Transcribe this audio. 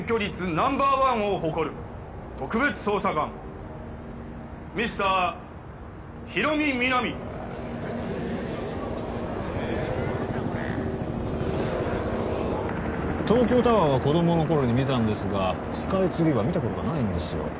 ナンバーワンを誇る特別捜査官ミスターヒロミ・ミナミ東京タワーは子どものころに見たんですがスカイツリーは見たことがないんですよ